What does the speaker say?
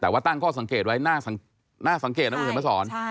แต่ว่าตั้งข้อสังเกตไว้น่าสังเกตนะครับอุ๋ธิพระสร